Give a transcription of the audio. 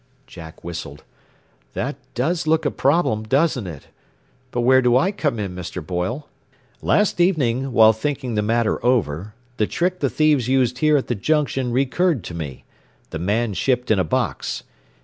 Jack whistled. "That does look a problem, doesn't it! But where do I come in, Mr. Boyle?" "Last evening, while thinking the matter over, the trick the thieves used here at the Junction recurred to me the man shipped in a box.